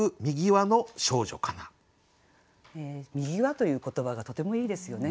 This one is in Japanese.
「汀」という言葉がとてもいいですよね。